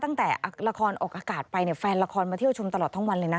ตั้งแต่ละครออกอากาศไปเนี่ยแฟนละครมาเที่ยวชมตลอดทั้งวันเลยนะ